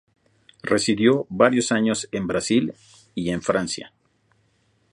Residió varios años en Brasil y en Francia.